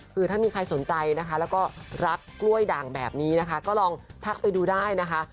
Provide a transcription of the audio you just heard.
คือถ้ามีใครสนใจนะคะแล้วก็รักกล้วยด่างแบบนี้นะคะก็ลองทักไปดูได้นะคะ